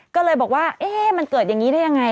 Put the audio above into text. ก็เลยบอกว่าเอ๊ะมันเกิดอย่างนี้ได้ยังไง